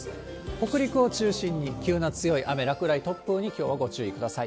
北陸を中心に急な強い雨、落雷、突風に、きょうはご注意ください。